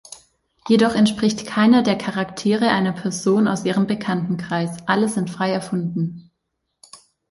Jedoch entspricht keiner der Charaktere einer Person aus ihrem Bekanntenkreis, alle sind frei erfunden.